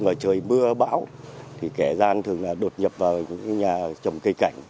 trong trời mưa bão thì kẻ gian thường đột nhập vào nhà trồng cây cảnh